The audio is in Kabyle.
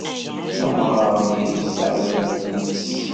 Amɣar-nni yezdeɣ i yiman-nnes.